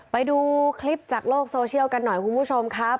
ไปดูคลิปจากโลกโซเชียลกันหน่อยคุณผู้ชมครับ